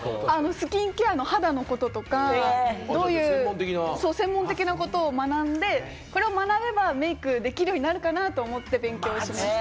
スキンケアのこととか、専門的なことを学んで、これを学べばメイクができるようになるかなと思って勉強しました。